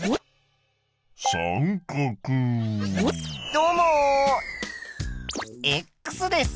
どうもです。